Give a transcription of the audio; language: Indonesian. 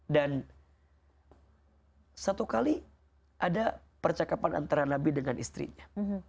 dan satu kali ada percakapan antara nabi dengan istrinya